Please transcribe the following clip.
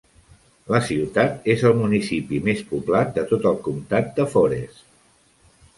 La ciutat és el municipi més poblat de tot el comtat de Forest.